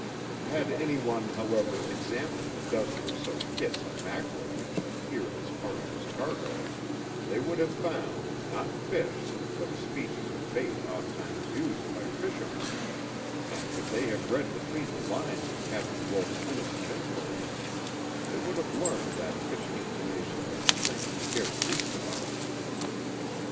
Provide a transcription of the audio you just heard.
Had any one, however, examined the dozen or so kits of mackerel which appeared as part of his cargo, they would have found, not fish, but a species of bait ofttimes used by fishermen; and could they have read between the lines of Captain Wolf's innocent inquiries they would have learned that fishing information was the thing he cared least about.